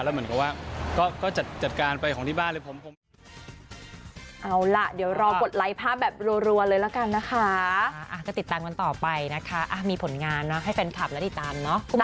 แล้วเหมือนกับว่าก็จัดการไปของที่บ้านเลยผม